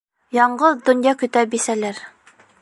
Яңғыҙ донъя көтә бисәләр.